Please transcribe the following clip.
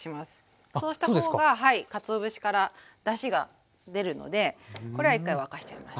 そうした方がかつお節からだしが出るのでこれは一回沸かしちゃいます。